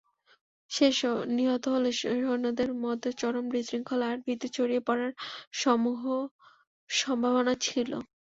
সে নিহত হলে সৈন্যদের মধ্যে চরম বিশৃঙ্খলা আর ভীতি ছড়িয়ে পড়ার সমূহ সম্ভাবনা ছিল।